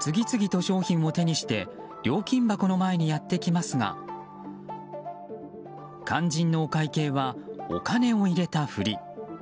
次々と商品を手にして料金箱の前にやって来ますが肝心のお会計はお金を入れたふり。